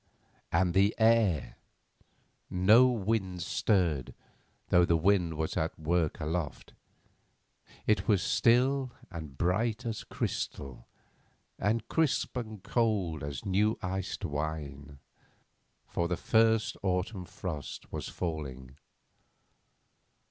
And the air—no wind stirred it, though the wind was at work aloft—it was still and bright as crystal, and crisp and cold as new iced wine, for the first autumn frost was falling.